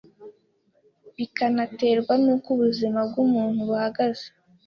bikanaterwa n’uko ubuzima bw’umuntu buhagaze